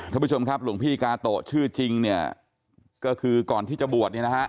ท่านผู้ชมครับหลวงพี่กาโตะชื่อจริงเนี่ยก็คือก่อนที่จะบวชเนี่ยนะฮะ